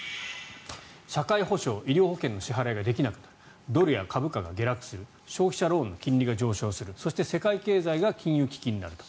社会保障・医療保険の支払いができなくなるドルや株価が下落する消費者ローンの金利が上昇するそして世界経済が金融危機になると。